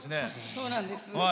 そうなんです。